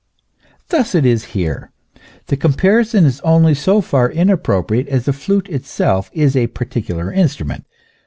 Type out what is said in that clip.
Thus it is here : the comparison is only so far inappropriate as the flute itself is a particular instrument.